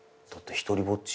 独りぼっち。